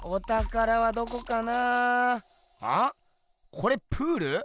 これプール？